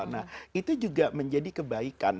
nah itu juga menjadi kebaikan